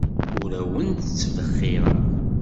Ur awent-ttbexxireɣ.